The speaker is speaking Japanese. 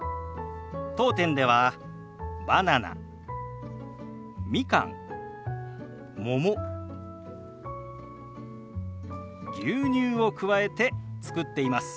当店ではバナナみかんもも牛乳を加えて作っています。